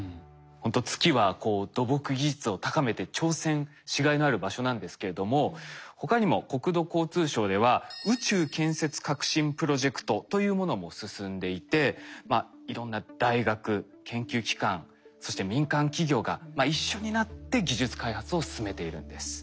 ほんと月はこう土木技術を高めて挑戦しがいのある場所なんですけれども他にも国土交通省では宇宙建設革新プロジェクトというものも進んでいていろんな大学研究機関そして民間企業が一緒になって技術開発を進めているんです。